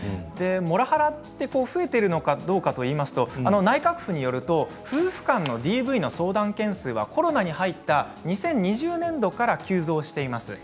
モラハラって増えているのかどうか内閣府によると夫婦間のＤＶの相談件数はコロナに入った２０２０年度から急増しています。